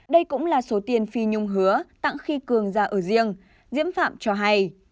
đây cũng là số tiền phi nhung hứa tặng khi cường ra ở riêng diễm phạm cho hay